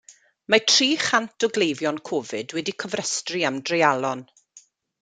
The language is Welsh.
Mae tri chant o gleifion Covid wedi cofrestru am dreialon.